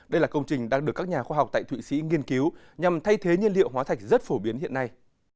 đây là công trình đang được các nhà khoa học tại thụy sĩ nghiên cứu nhằm thay thế nhiên liệu hóa thạch rất phổ biến hiện nay